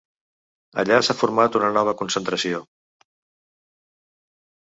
Allà s’ha format una nova concentració.